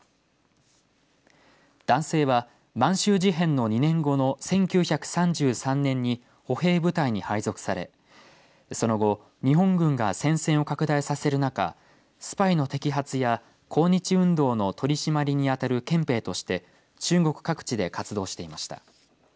男性は満州事変の２年後の１９３３年に歩兵部隊に配属されその後日本軍が戦線を拡大させる中スパイの摘発や抗日運動の取締りに当たる憲兵とし中国各地で活動していました。